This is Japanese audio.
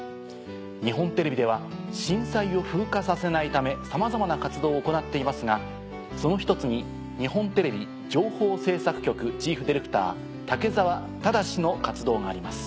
日本テレビでは震災を風化させないためさまざまな活動を行っていますがその一つに日本テレビ情報制作局チーフディレクター武澤忠の活動があります。